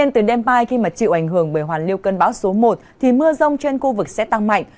từ đêm mai khi chịu ảnh hưởng bởi hoàn liêu cân báo số một thì mưa rông trên khu vực sẽ tăng mạnh